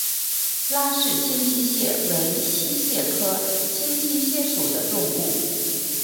拉氏清溪蟹为溪蟹科清溪蟹属的动物。